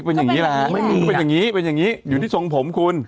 เป็นอย่างงี้อยู่ที่ทรงผมคุณ